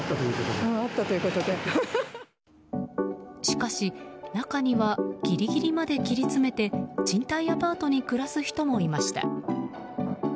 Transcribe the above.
しかし、中にはギリギリまで切り詰めて賃貸アパートに暮らす人もいました。